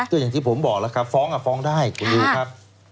ก็อย่างที่ผมบอกแล้วครับฟ้องฟ้องได้คุณนิวครับ